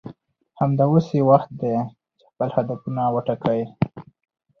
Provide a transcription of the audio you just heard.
همدا اوس یې وخت دی چې خپل هدفونه وټاکئ